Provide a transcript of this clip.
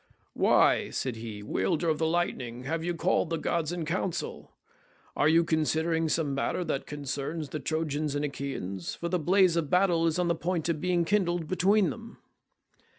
"Why," said he, "wielder of the lightning, have you called the gods in council? Are you considering some matter that concerns the Trojans and Achaeans—for the blaze of battle is on the point of being kindled between them?"